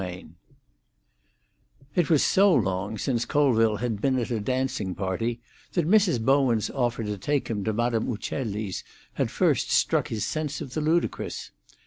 VI It was so long since Colville had been at a dancing party that Mrs. Bowen's offer to take him to Madame Uccelli's had first struck his sense of the ludicrous.